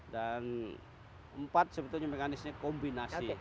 dan empat sebetulnya mekanisnya kombinasi